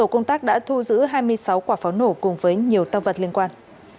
công tác đã thu giữ hai mươi sáu quả pháo nổ cùng với nhiều tăng vật liên quan